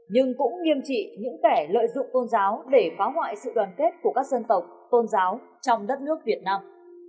nhưng cũng nghiêm trị những kẻ lợi dụng tôn giáo để phá hoại sự đoàn kết của các dân tộc tôn giáo trong đất nước việt nam